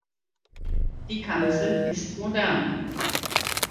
Die Kanzel ist modern.